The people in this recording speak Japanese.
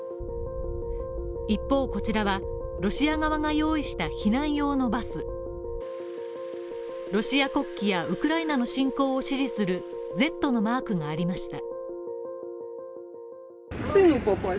一方こちらは、ロシア側が用意した避難用のバスロシア国旗やウクライナの侵攻を支持する「Ｚ」のマークがありました。